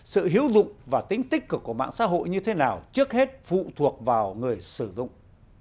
sự hiếu dụng và tính tích cực của mạng xã hội như thế nào trước hết phụ thuộc vào người sử dụng